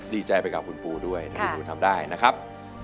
ดีใจไปกับคุณปูด้วยถ้าคุณปูนทำได้นะครับ